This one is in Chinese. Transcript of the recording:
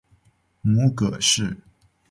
母葛氏。